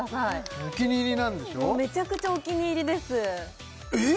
もうめちゃくちゃお気に入りですえっ？